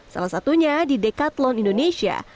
salah satunya di dekatlon indonesia